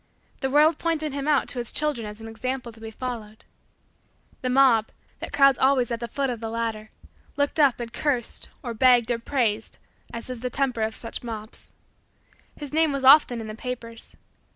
The world pointed him out to its children as an example to be followed. The mob, that crowds always at the foot of the ladder, looked up and cursed or begged or praised as is the temper of such mobs. His name was often in the papers.